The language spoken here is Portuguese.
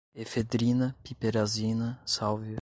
efedrina, piperazina, salvia